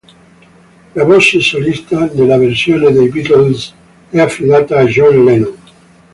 La voce solista nella versione dei Beatles è affidata a John Lennon.